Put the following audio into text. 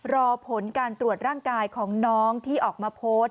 รอผลการตรวจร่างกายของน้องที่ออกมาโพสต์